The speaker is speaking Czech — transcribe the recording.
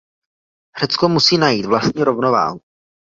Řecko musí najít vlastní rovnováhu.